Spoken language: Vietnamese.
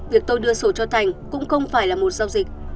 việc tôi đưa sổ cho thành cũng không phải là một giao dịch